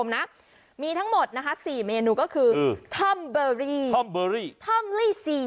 นะมีทั้งหมดนะคะสี่เมนูก็คือท่อมเบอรี่ท่อมเบอรี่ท่อมลี่สี่